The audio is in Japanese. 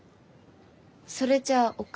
それじゃあおっ